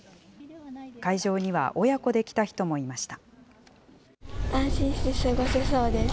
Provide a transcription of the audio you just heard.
会場には親子で来た人もいました。